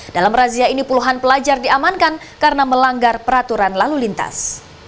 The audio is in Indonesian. dalam razia ini puluhan pelajar diamankan karena melanggar peraturan lalu lintas